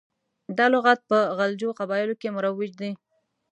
دا لغات په غلجو قبایلو کې مروج دی.